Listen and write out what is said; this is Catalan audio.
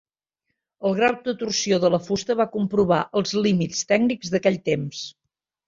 El grau de torsió de la fusta va comprovar els límits tècnics d'aquell temps.